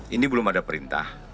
ini belum ada perintah